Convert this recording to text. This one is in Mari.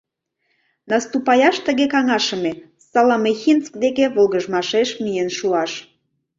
Наступаяш тыге каҥашыме: Соломихинск деке волгыжмашеш миен шуаш.